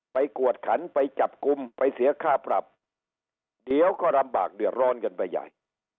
กวดขันไปจับกลุ่มไปเสียค่าปรับเดี๋ยวก็ลำบากเดือดร้อนกันไปใหญ่